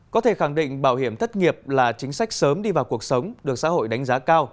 có thể khẳng định bảo hiểm thất nghiệp là chính sách sớm đi vào cuộc sống được xã hội đánh giá cao